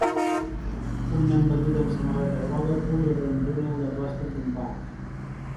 Un nen petit amb samarreta groga puja per un túnel de plàstic d'un parc.